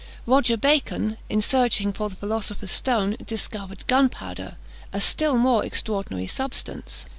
Roger Bacon, in searching for the philosopher's stone, discovered gunpowder, a still more extraordinary substance.